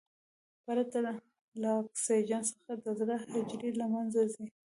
پرته له اکسیجن څخه د زړه حجرې له منځه ځي.